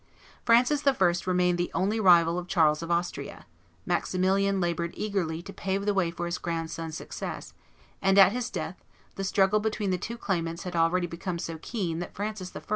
Francis I. remained the only rival of Charles of Austria; Maximilian labored eagerly to pave the way for his grandson's success; and at his death the struggle between the two claimants had already become so keen that Francis I.